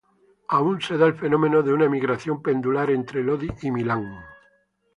Aún se da el fenómeno de una emigración "pendular" entre Lodi y Milán.